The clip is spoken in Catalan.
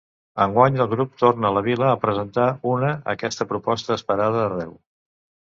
Enguany el grup torna a la vila a presentar una aquesta proposta esperada arreu.